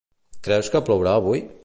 Creus que plourà avui?